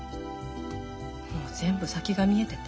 もう全部先が見えてた。